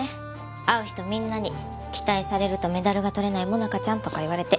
会う人みんなに「期待されるとメダルが取れない萌奈佳ちゃん」とか言われて。